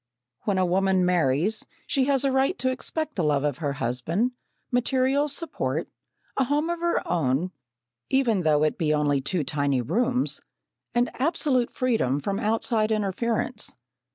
When a woman marries, she has a right to expect the love of her husband, material support, a home of her own, even though it be only two tiny rooms, and absolute freedom from outside interference.